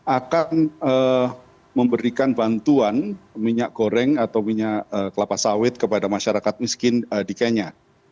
akan memberikan bantuan minyak goreng atau minyak kelapa sawit kepada masyarakat miskin di kenya